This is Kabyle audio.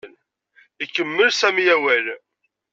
Ikemmel Sami awal.